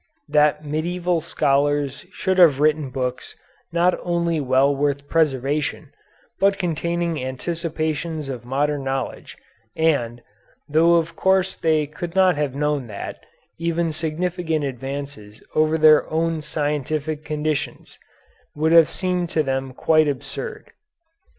That medieval scholars should have written books not only well worth preservation, but containing anticipations of modern knowledge, and, though of course they could not have known that, even significant advances over their own scientific conditions, would have seemed to them quite absurd.